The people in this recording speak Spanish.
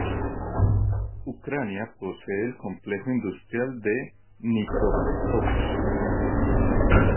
Ucrania posee al complejo industrial de Dnipropetrovsk.